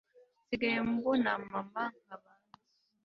nsigaye mbona mama nkabanza